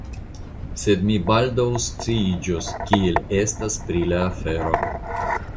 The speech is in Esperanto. Sed mi baldaŭ sciiĝos, kiel estas pri la afero.